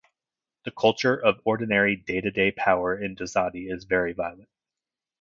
The culture of ordinary day-to-day power in Dosadi is very violent.